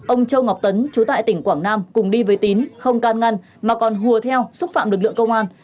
ông châu ngọc tấn chú tại tỉnh quảng nam cùng đi với tín không can ngăn mà còn hùa theo xúc phạm lực lượng công an